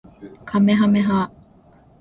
かめはめ波